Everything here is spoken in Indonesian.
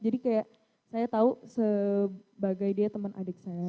jadi kayak saya tahu sebagai dia teman adik saya